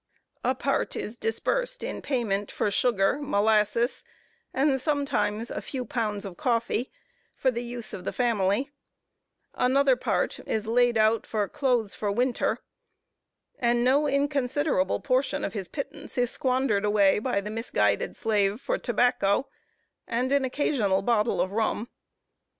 A part is disbursed in payment for sugar, molasses, and sometimes a few pounds of coffee, for the use of the family; another part is laid out for clothes for winter; and no inconsiderable portion of his pittance is squandered away by the misguided slave for tobacco, and an occasional bottle of rum.